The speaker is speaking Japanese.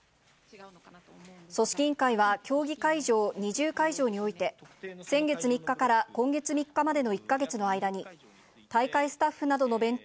組織委員会は、競技会場２０会場において、先月３日から今月３日までの１か月の間に、大会スタッフなどの弁当